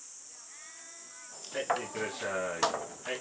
はいじゃあ行ってらっしゃい。